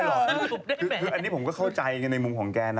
คืออันนี้ผมก็เข้าใจในมุมของแกนะ